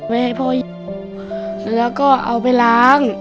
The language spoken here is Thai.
แล้วก็เอาไปล้าง